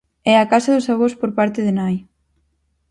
É a casa dos avós por parte de nai.